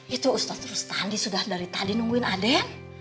itu ustadz rustali sudah dari tadi nungguin aden